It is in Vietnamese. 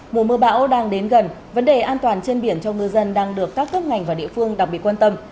mùa mưa bão đang đến gần vấn đề an toàn trên biển cho ngư dân đang được các cấp ngành và địa phương đặc biệt quan tâm